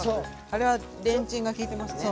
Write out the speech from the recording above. あれはレンチンがきいてますね。